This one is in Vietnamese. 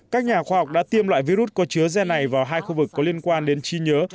các nhà khoa học đã tiêm loại virus có chứa gen này vào hai khu vực có liên quan đến chi nhớ